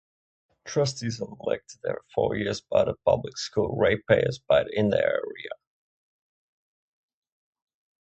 Trustees are elected every four years by the public school ratepayers in their area.